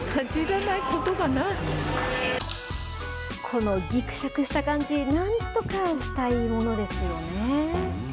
このぎくしゃくした感じ、なんとかしたいものですよね。